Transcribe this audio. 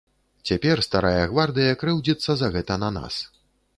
Цяпер старая гвардыя крыўдзіцца за гэта на нас.